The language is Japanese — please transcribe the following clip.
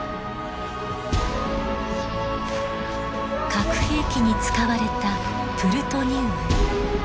核兵器に使われたプルトニウム。